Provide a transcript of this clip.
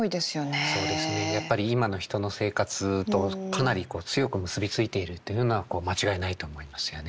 やっぱり今の人の生活とかなり強く結び付いているっていうのは間違いないと思いますよね。